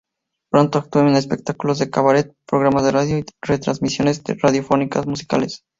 Pronto actuó en espectáculos de cabaret, programas de radio y retransmisiones radiofónicas musicales.